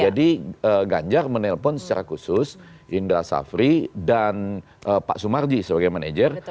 jadi ganjar menelpon secara khusus indra safri dan pak sumarji sebagai manajer